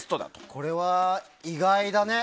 これは、意外だね。